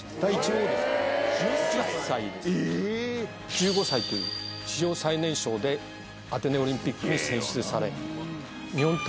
１５歳という史上最年少でアテネオリンピックに選出され。